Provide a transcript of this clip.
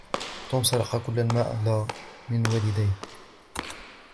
توم سرق كل المال من والديه.